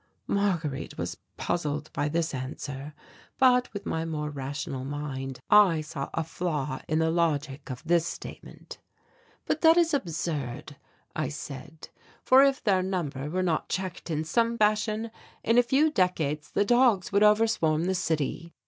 Marguerite was puzzled by this answer, but with my more rational mind I saw a flaw in the logic of this statement. "But that is absurd," I said, "for if their number were not checked in some fashion, in a few decades the dogs would overswarm the city."